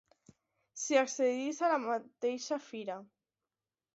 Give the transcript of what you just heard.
S'hi accedeix a la mateixa Fira.